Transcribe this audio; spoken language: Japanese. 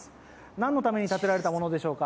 何のために建てられたものでしょうか。